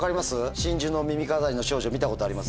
『真珠の耳飾りの少女』見たことあります？